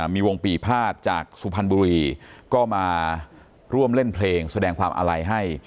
มีวงปีภาษณจากสุพรรณบุรีก็มาร่วมเล่นเพลงแสดงความอาลัยให้